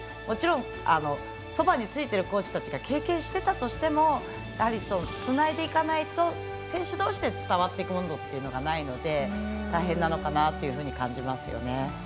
もちろんそばについているコーチたちが経験していたとしてもつないでいかないと選手同士で伝わっていくものがないので大変なのかなと感じますよね。